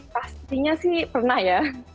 pastinya sih pernah ya